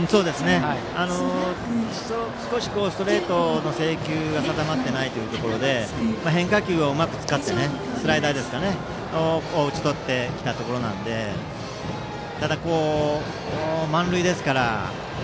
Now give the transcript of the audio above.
少しストレートの制球が定まっていないところで変化球をうまく使ってスライダーで打ち取ってきたところなのでただ満塁ですから。